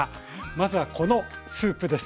まずはこのスープです。